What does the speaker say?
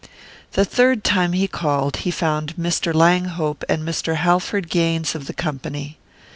The third time he called, he found Mr. Langhope and Mr. Halford Gaines of the company.